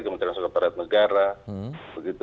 kementerian sekretariat negara begitu